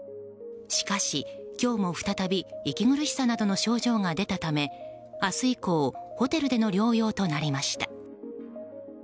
しかし、今日も再び息苦しさなどの症状が出たため明日以降ホテルでの療養となりました。